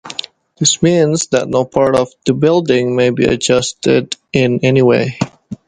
This means that no part of the building may be adjusted in any way.